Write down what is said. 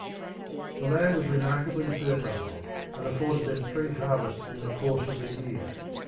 The land was remarkably fertile, and afforded them three harvests in the course of the year.